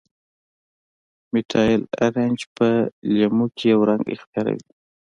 میتایل ارنج په لیمو کې یو رنګ اختیاروي.